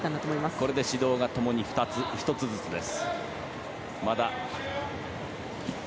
ここで指導が２つ１つずつです。